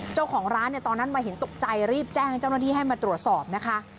เจ้าของร้านตอนนั้นมาเห็นตกใจรีบแจ้งเจ้าหน้าที่ให้มาตรวจสอบนะคะ